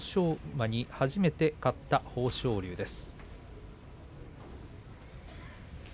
馬に初めて勝った豊昇龍です。